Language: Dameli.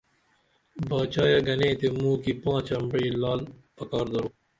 باچاے گنے تے موکی پانچ امبعی لعل پکار درو